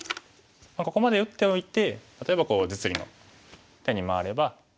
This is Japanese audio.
ここまで打っておいて例えば実利の手に回れば。